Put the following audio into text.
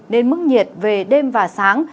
nên mức nhiệt về đêm và sáng